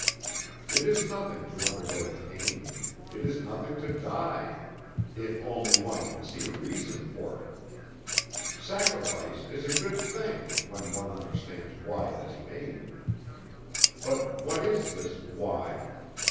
It is nothing to undergo pain, it is nothing to die, if only one can see a reason for it. Sacrifice is a good thing when one understands why it is made. But what is this why?